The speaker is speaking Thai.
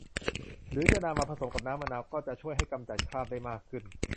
หรือจะนำมาผสมกับน้ำมะนาวก็จะช่วยให้กำจัดคราบได้มากขึ้น